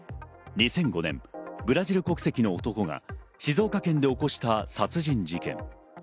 ２００５年、ブラジル国籍の男が静岡県で起こした殺人事件。